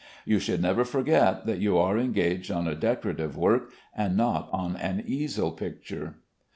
You should never forget that you are engaged on a decorative work, and not on an easel picture.